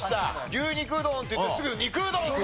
「牛肉うどん」って言ってすぐ「肉うどん」って。